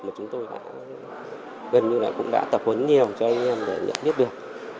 mà chúng tôi gần như đã tập huấn nhiều cho anh em để nhận biết được